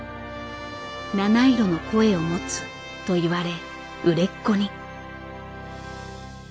「七色の声を持つ」と言われ売れっ子に。